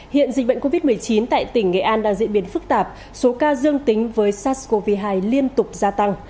hiện dịch bệnh covid một mươi chín tại tỉnh nghệ an đang diễn biến phức tạp số ca dương tính với sars cov hai liên tục gia tăng